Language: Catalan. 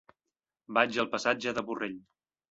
Vaig al passatge de Borrell.